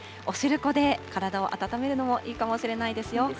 おしるこで体を暖めるのもいいかもしれないですよ。